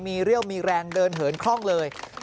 มีเรี่ยวมีแรงเดินเหินคล่องเลย